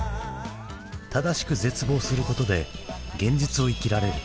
正しく絶望することで現実を生きられる。